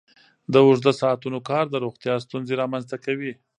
د اوږده ساعتونو کار د روغتیا ستونزې رامنځته کوي.